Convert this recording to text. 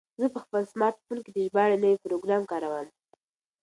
زه په خپل سمارټ فون کې د ژباړې نوی پروګرام کاروم.